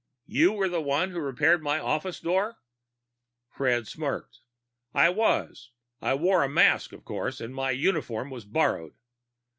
"You were the one who repaired my office door?" Fred smirked. "I was. I wore a mask, of course, and my uniform was borrowed.